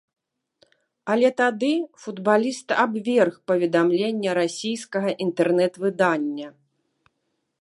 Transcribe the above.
Але тады футбаліст абверг паведамленне расійскага інтэрнэт-выдання.